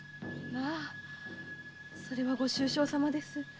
まあそれはご愁傷さまです。